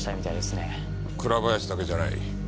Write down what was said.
倉林だけじゃない。